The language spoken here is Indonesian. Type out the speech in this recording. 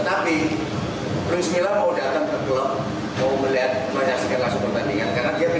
tetapi luis milla mau datang ke klub mau melihat kembali sekelas pertandingan